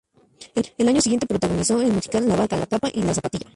El año siguiente protagonizó el musical "La Vaca, la Capa y la Zapatilla".